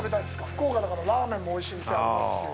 福岡だから、ラーメンもおいしい店ありますし。